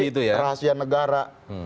berlindung dibalik rahasia negara